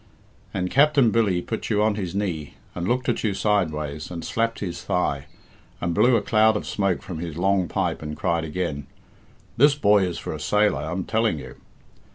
And Capt'n Billy put you on his knee, and looked at you sideways, and slapped his thigh, and blew a cloud of smoke from his long pipe and cried again, 'This boy is for a sailor, I'm telling you.'